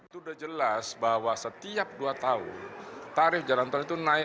sudah jelas bahwa setiap dua tahun tarif jalan tol itu naik